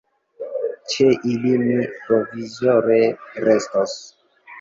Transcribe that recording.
Ĉe ili mi provizore restos.